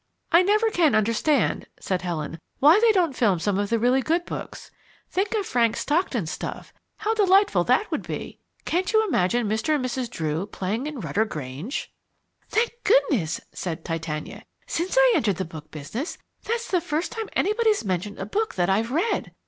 "I never can understand," said Helen, "why they don't film some of the really good books think of Frank Stockton's stuff, how delightful that would be. Can't you imagine Mr. and Mrs. Drew playing in Rudder Grange!" "Thank goodness!" said Titania. "Since I entered the book business, that's the first time anybody's mentioned a book that I've read.